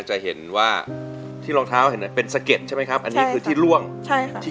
จะเห็นว่าที่รองเท้าเห็นเป็นสะเก็ดใช่ไหมครับอันนี้คือที่ล่วงใช่ค่ะที่